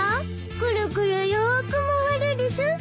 くるくるよく回るです。